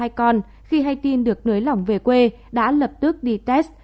hai con khi hay tin được nới lỏng về quê đã lập tức đi test